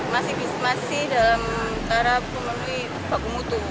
masih dalam karep menunjukkan baku mutu